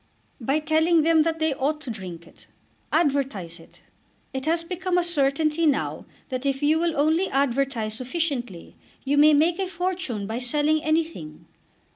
"By telling them that they ought to drink it. Advertise it. It has become a certainty now that if you will only advertise sufficiently you may make a fortune by selling anything.